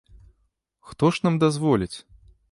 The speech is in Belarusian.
Хто ж нам дазволіць?